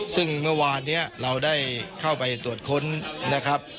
ซึ่งเมื่อวานนี้เราได้เข้าไปตรวจค้นนะครับ